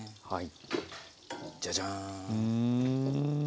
はい。